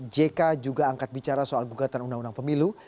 jk juga angkat bicara soal gugatan undang undang pemilu